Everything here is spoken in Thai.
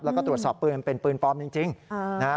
แล้วก็ตรวจสอบปืนมันเป็นปืนปลอมจริงนะฮะ